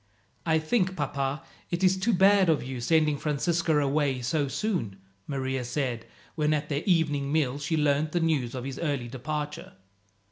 "I think, papa, it is too bad of you, sending Francisco away so soon," Maria said, when at their evening meal she learned the news of his early departure.